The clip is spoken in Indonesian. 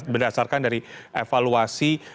berdasarkan dari evaluasi